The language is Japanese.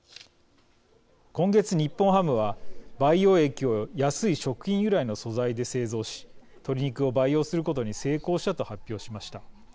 今月、日本ハムは培養液を安い食品由来の素材で製造し鶏肉を培養することに成功したと発表しました。